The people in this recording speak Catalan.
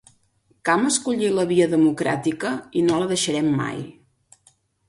Cam escollir la via democràtica i no la deixarem mai.